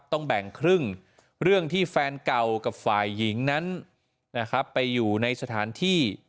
ต้องแบ่งครึ่งเรื่องที่แฟนเก่ากับฝ่ายหญิงนั้นนะครับไปอยู่ในสถานที่